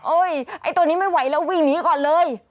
ไอ้ตัวนี้ไม่ไหวแล้ววิ่งหนีก่อนเลย